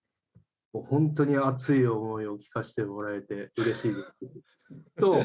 本当に熱い思いを聞かせてもらえてうれしいです。